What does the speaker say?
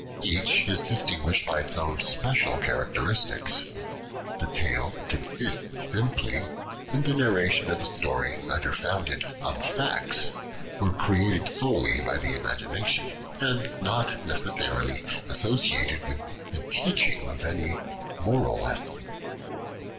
Each is distinguished by its own special characteristics. The Tale consists simply in the narration of a story either founded on facts, or created solely by the imagination, and not necessarily associated with the teaching of any moral lesson.